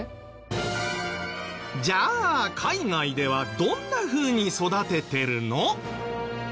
じゃあ海外ではどんなふうに育ててるの？